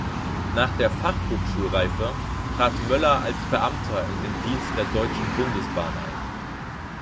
Nach der Fachhochschulreife trat Möller als Beamter in den Dienst der Deutschen Bundesbahn ein.